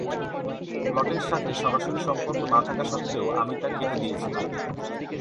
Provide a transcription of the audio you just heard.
প্লটের সাথে সরাসরি সম্পর্ক না থাকা সত্ত্বেও আমি তা কেটে দিয়েছিলাম।